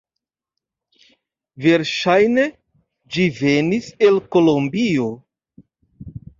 Verŝajne ĝi venis el Kolombio.